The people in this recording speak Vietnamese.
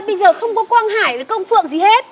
bây giờ không có quang hải là công phượng gì hết